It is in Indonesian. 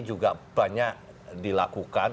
juga banyak dilakukan